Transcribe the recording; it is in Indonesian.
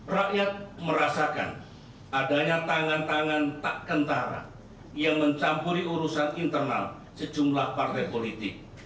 rakyat merasakan adanya tangan tangan tak kentara yang mencampuri urusan internal sejumlah partai politik